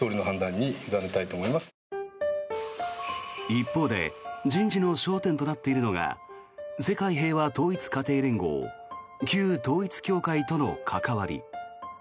一方で人事の焦点となっているのが世界平和統一家庭連合旧統一教会との関わり。